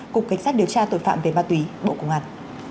cục cảnh sát điều tra tội phạm về ma túy bộ công an